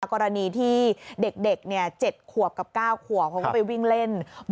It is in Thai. กรณีที่เด็ก๗ขวบกับ๙ขวบเขาก็ไปวิ่งเล่น